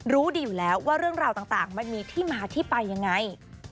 รู้ดีอยู่แล้วว่าเรื่องราวต่างมันมีที่มาที่ไปยังไง